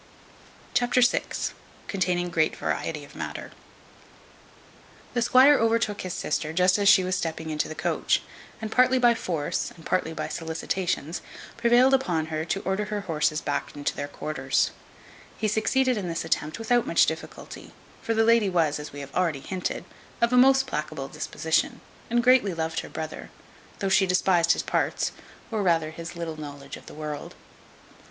Chapter vi. Containing great variety of matter. The squire overtook his sister just as she was stepping into the coach, and partly by force, and partly by solicitations, prevailed upon her to order her horses back into their quarters. He succeeded in this attempt without much difficulty; for the lady was, as we have already hinted, of a most placable disposition, and greatly loved her brother, though she despised his parts, or rather his little knowledge of the world.